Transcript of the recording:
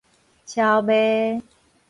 超賣